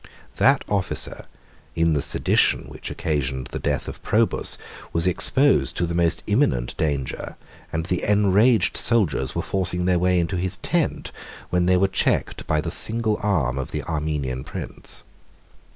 53 That officer, in the sedition which occasioned the death of Probus, was exposed to the most imminent danger, and the enraged soldiers were forcing their way into his tent, when they were checked by the single arm of the Armenian prince.